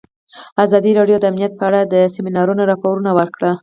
ازادي راډیو د امنیت په اړه د سیمینارونو راپورونه ورکړي.